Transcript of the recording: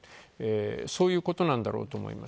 そういうことなんだろうと思います。